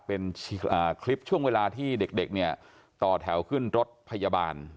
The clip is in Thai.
เป็นคลิปช่วงเวลาที่เด็กเนี่ยต่อแถวขึ้นรถพยาบาล